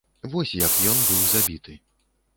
Вось як ён быў забіты.